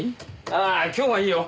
ああ今日はいいよ。